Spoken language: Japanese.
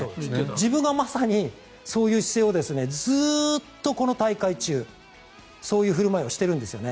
自分がまさにそういう姿勢をずっとこの大会中そういう振る舞いをしているんですよね。